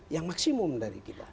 yang maksimum dari kita